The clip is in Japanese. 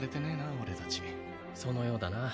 俺達そのようだな